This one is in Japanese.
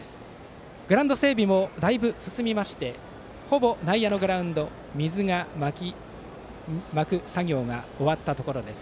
グラウンド整備もだいぶ進みましてほぼ内野のグラウンド水をまく作業が終わったところです。